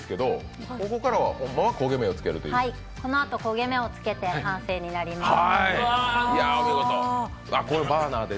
このあと焦げ目をつけて完成となります。